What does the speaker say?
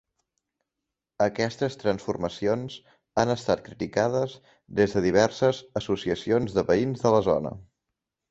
Aquestes transformacions han estat criticades des de diverses associacions de veïns de la zona.